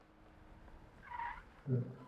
ปรับเสียงให้ดังสุด